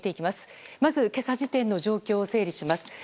まず、今朝時点の状況を整理します。